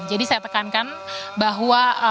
jadi saya tekankan bahwa